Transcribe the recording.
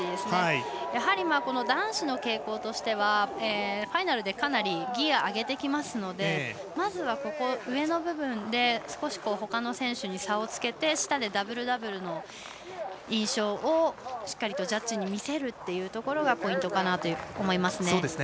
やはり男子の傾向としてはファイナルでかなりギヤを上げてきますのでまずは、上の部分で少しほかの選手に差をつけて下でダブル、ダブルの印象をしっかりジャッジに見せることがポイントかなと思います。